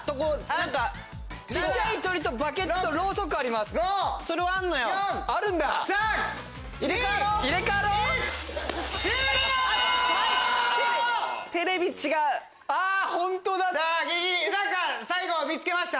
何か最後見つけました？